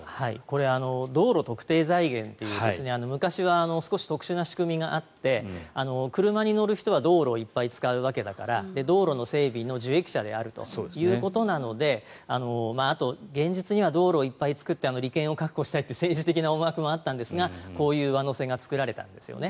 これは道路特定財源という昔は少し特殊な仕組みがあって車を使う人は道路をいっぱい使うわけだから道路の整備の受益者であるということであと現実には道路をいっぱい作って利権を確保したいという政治的な思惑もあったんですがこういう上乗せが作られたんですね。